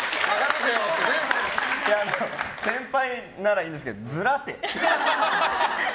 先輩ならいいんですけどヅラって！